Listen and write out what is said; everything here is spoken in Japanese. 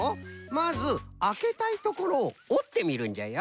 まずあけたいところをおってみるんじゃよ。